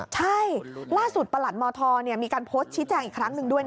ใช่ล่าสุดประหลัดมธมีการโพสต์ชี้แจงอีกครั้งหนึ่งด้วย